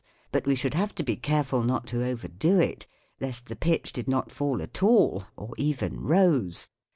But we should have to be careful not to overdo it, lest the pitch did not fall at all, or even rose